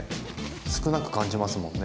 少なく感じますもんね。